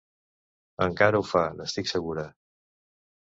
Encara ho fa, n'estic segura...